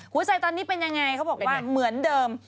ใจตอนนี้เป็นยังไงเขาบอกว่าเหมือนเดิม